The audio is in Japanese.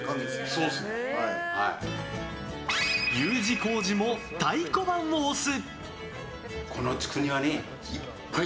Ｕ字工事も太鼓判を押す。